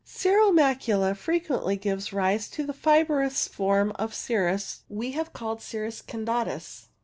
Cirro macula frequently gives rise to the fibrous form of cirrus we have called cirrus candatus.